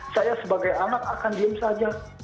saya sebagai anak akan diem saja